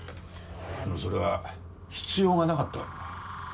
でもそれは必要がなかったんだ。